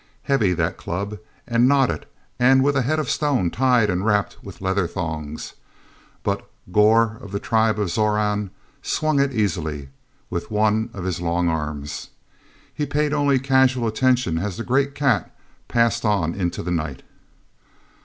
Heavy, that club, and knotted and with a head of stone tied and wrapped with leather thongs; but Gor of the tribe of Zoran swung it easily with one of his long arms. He paid only casual attention as the great cat passed on into the night.